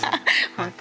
本当？